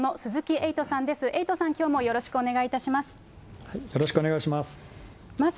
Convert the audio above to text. エイトさん、きょうもよろしくおよろしくお願いします。